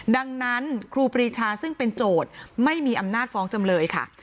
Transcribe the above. ดังนั้นครูปรีชาซึ่งเป็นโจทย์ไม่มีอำนาจฟ้องจำเลยค่ะ